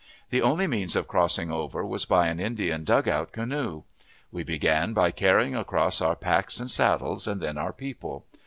The only means of crossing over was by an Indian dugout canoe. We began by carrying across our packs and saddles, and then our people.